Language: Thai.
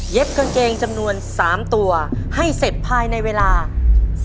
กางเกงจำนวน๓ตัวให้เสร็จภายในเวลา